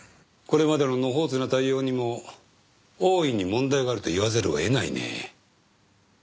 これまでの野放図な対応にも大いに問題があると言わざるを得ないね。